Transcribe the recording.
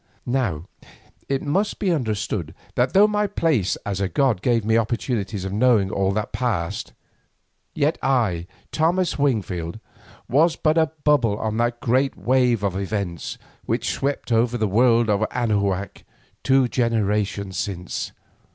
Now it must be understood that though my place as a god gave me opportunities of knowing all that passed, yet I, Thomas Wingfield, was but a bubble on that great wave of events which swept over the world of Anahuac two generations since.